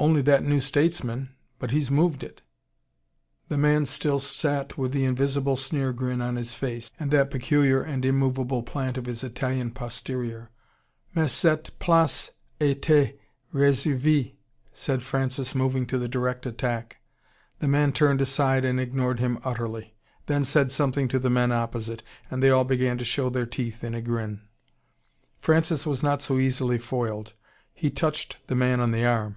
"Only that New Statesman but he's moved it." The man still sat with the invisible sneer grin on his face, and that peculiar and immovable plant of his Italian posterior. "Mais cette place etait RESERVEE " said Francis, moving to the direct attack. The man turned aside and ignored him utterly then said something to the men opposite, and they all began to show their teeth in a grin. Francis was not so easily foiled. He touched the man on the arm.